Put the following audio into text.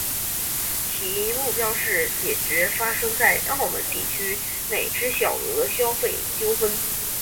其目标是解决发生在澳门地区内之小额消费纠纷。